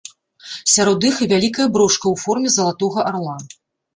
Сярод іх і вялікая брошка ў форме залатога арла.